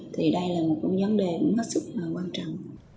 thì đây là một vấn đề rất quan trọng